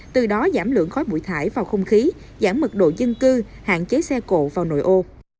từ đó giảm lượng khói bụi thải vào không khí giảm mật độ dân cư hạn chế xe cộ vào nội ô